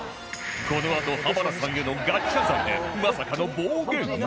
このあと浜田さんへのガチ謝罪でまさかの暴言？